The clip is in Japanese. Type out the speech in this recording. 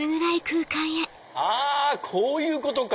あこういうことか！